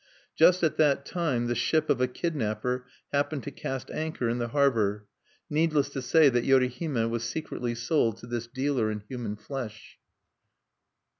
Just at that time the ship of a kidnapper happened to cast anchor in the harbor. Needless to say that Yorihime was secretly sold to this dealer in human flesh.